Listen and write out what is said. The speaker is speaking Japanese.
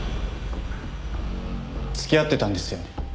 付き合ってたんですよね？